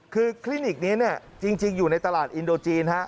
คือคลินิกนี้จริงอยู่ในตลาดอินโดจีน